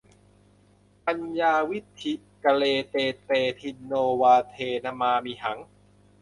ปัญญาวิฒิ กเร เต เต ทินโนวาเท นมา มิหัง